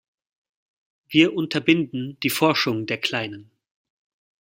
Wir unterbinden die Forschung der Kleinen.